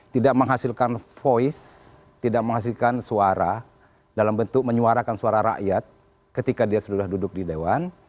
tidak menghasilkan voice tidak menghasilkan suara dalam bentuk menyuarakan suara rakyat ketika dia sudah duduk di dewan